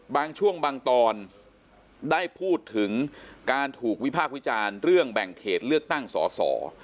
บางช่วงบางตอนได้พูดถึงการถูกวิพากษ์วิจารณ์เรื่องแบ่งเขตเลือกตั้งสอสอ